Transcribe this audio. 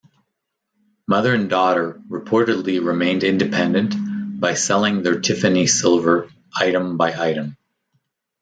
Mother and daughter reportedly remained independent by selling their Tiffany silver item by item.